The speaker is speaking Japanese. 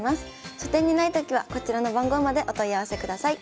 書店にないときはこちらの番号までお問い合わせください。